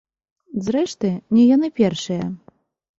Зрэшты, не яны першыя.